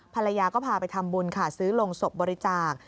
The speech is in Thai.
ภรรยาก็พาไปทำบุญค่ะซื้อลงศพบริจาค